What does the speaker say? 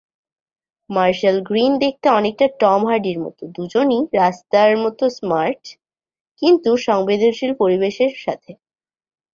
Marshall-Green দেখতে অনেকটা Tom হার্ডির মতো, দুজনই রাস্তার মতো স্মার্ট-কিন্তু সংবেদনশীল পরিবেশের সাথে।